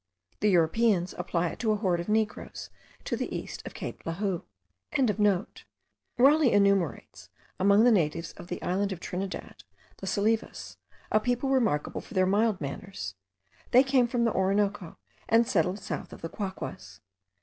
The Europeans apply it to a horde of Negroes to the east of Cape Lahou.) Raleigh enumerates, among the natives of the island of Trinidad, the Salives, a people remarkable for their mild manners; they came from the Orinoco, and settled south of the Quaquas.